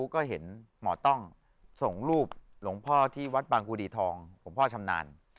ก็เห็นหมอต้องส่งรูปหลวงพ่อที่วัดบางกุดีทองหลวงพ่อชำนาญ